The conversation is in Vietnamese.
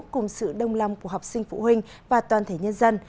cùng sự đông lòng của học sinh phụ huynh và toàn thể nhân dân